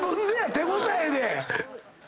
手応えで。